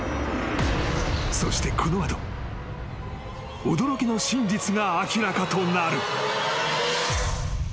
［そしてこの後驚きの真実が明らかとなる］